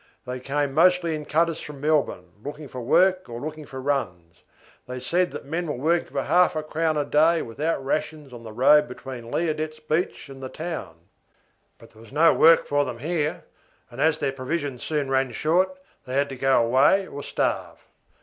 They came mostly in cutters from Melbourne, looking for work or looking for runs. They said men were working for half a crown a day without rations on the road between Liardet's beach and the town. But there was no work for them here; and, as their provisions soon ran short, they had to go away or starve.